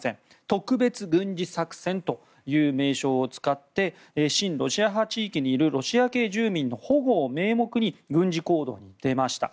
特別軍事作戦という名称を使って親ロシア派地域にいるロシア系住民の保護を名目に軍事行動に出ました。